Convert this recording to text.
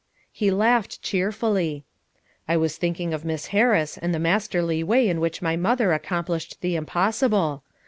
' He laughed cheerfully. "I was thinking of Miss Harris and the masterly way in which my mother accomplished the impossible.